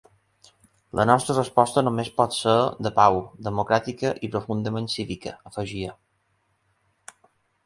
La nostra resposta només pot ser de pau, democràtica i profundament cívica, afegia.